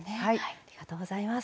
ありがとうございます。